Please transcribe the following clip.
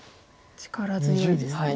力強いですね。